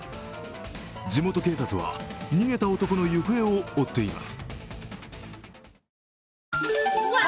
地元警察は逃げた男の行方を追っています。